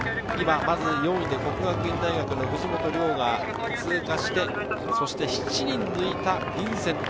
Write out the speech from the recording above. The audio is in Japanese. ４位で國學院大學の藤本竜が通過して、７人抜いたヴィンセント。